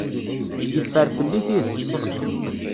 Yeffer fell-i tidet.